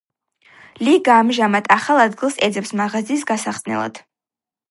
ლიგა ამჟამად ახალ ადგილს ეძებს მაღაზიის გასახსნელად.